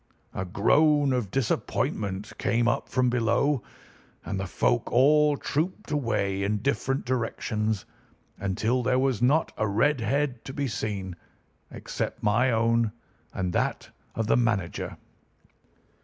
A groan of disappointment came up from below, and the folk all trooped away in different directions until there was not a red head to be seen except my own and that of the manager.